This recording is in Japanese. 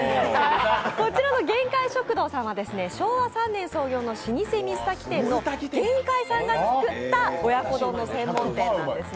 こちらのげんかい食堂さんは昭和３年創業の老舗水炊き店の玄海さんが作った親子丼の専門店なんですね。